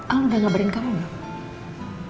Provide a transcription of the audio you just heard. al udah ngabarin kamu belum